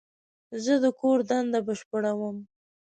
زه د کور دنده بشپړوم.